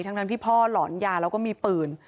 ทั้งที่พ่อหลอนยาแล้วก็มีปืน